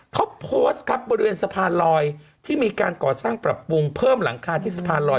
เขาโพสต์ครับบริเวณสะพานลอยที่มีการก่อสร้างปรับปรุงเพิ่มหลังคาที่สะพานลอย